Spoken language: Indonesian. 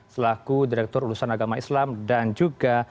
selaku direktur urusan agama islam dan juga